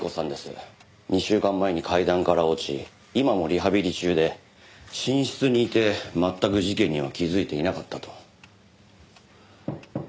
２週間前に階段から落ち今もリハビリ中で寝室にいて全く事件には気づいていなかったと。